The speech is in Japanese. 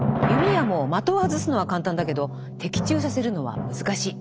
弓矢も的を外すのは簡単だけど的中させるのは難しい。